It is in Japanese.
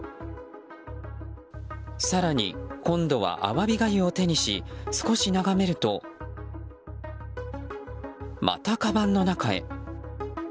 更に、今度はアワビがゆを手にし少し眺めるとまた、かばんの中へ。